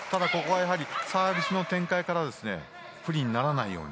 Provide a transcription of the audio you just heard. サービスの形から不利にならないように。